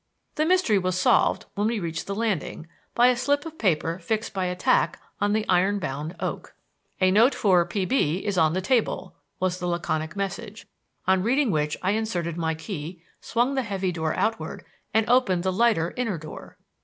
The mystery was solved, when we reached the landing, by a slip of paper fixed by a tack on the iron bound "oak." "A note for P. B. is on the table," was the laconic message: on reading which I inserted my key, swung the heavy door outward, and opened the lighter inner door.